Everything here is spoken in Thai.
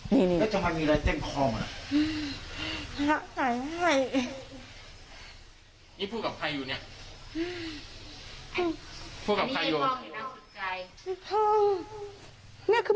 นี่คือมีอาการอยู่นะ